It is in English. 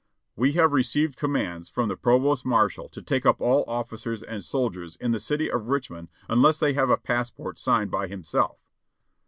"We have received commands from the provost marshal to take up all officers and soldiers in the city of Richmond unless they have a passport signed by himself."